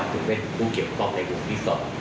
เป็นผู้เกี่ยวกับในวงที่๒